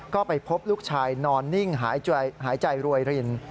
ก็ไปพบลูกชายนอนนิ่งหายใจรวยริน